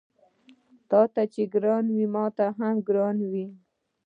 تاته چې ګران وي ماته هم ګران وي